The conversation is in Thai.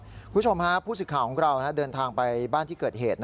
คุณผู้ชมฮะผู้สิทธิ์ข่าวของเราเดินทางไปบ้านที่เกิดเหตุ